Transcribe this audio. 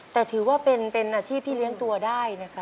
แต่ถือว่าเป็นอาชีพที่เลี้ยงตัวได้นะครับ